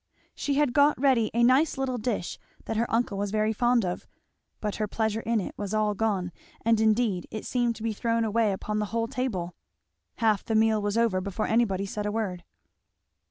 She had got ready a nice little dish that her uncle was very fond of; but her pleasure in it was all gone; and indeed it seemed to be thrown away upon the whole table. Half the meal was over before anybody said a word.